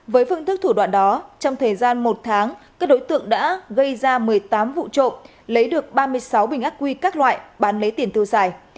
với phương thức thủ đoạn đó trong thời gian một tháng các đối tượng đã gây ra một mươi tám vụ trộm lấy được ba mươi sáu bình ác quy các loại bán lấy tiền tiêu xài